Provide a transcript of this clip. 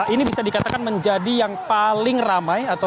ini bisa dikatakan menjadi yang paling ramai